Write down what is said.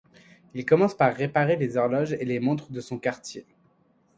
Il commence par réparer les horloges et les montres de son quartier.